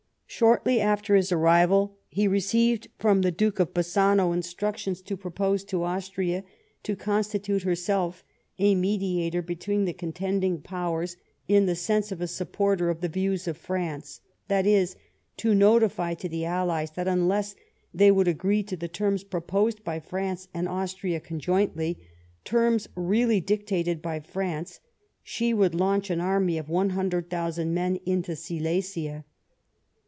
Shortly after his arrival he received from the Duke of Bassano instructions to propose to Austria to constitute herself a mediator between the contending powers in the sense of a supporter of the views of France ; that is, to notify to the allies that unless they would agree to the terms proposed by France and Austria conjointly, terms really dictated by France, she would launch an army of 100,000 men into Silesia.